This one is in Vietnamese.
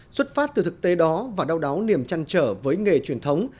xuất phát từ thực tế đó và đau đáu niềm chăn trở với nghề truyền thống